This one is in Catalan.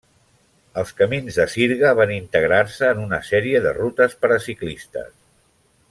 Els camins de sirga van integrar-se en una sèrie de rutes per a ciclistes.